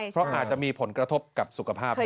เพราะอาจจะมีผลกระทบกับสุขภาพด้วย